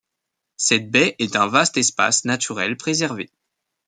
Cette baie est un vaste espace naturel préservé.